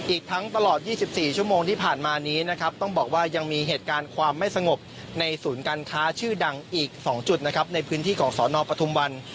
อีกทั้งตลอด๒๔ชั่วโมงที่ผ่านมานี้นะครับต้องบอกว่ายังมีเหตุการณ์ความไม่สงบในศูนย์การค้าชื่อดังอีก๒จุดนะครับในพื้นที่ของสนปทุมวัน